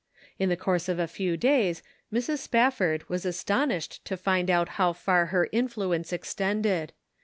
In the course of a few days Mrs. Spafford was as tonished to find out how far her influence extended.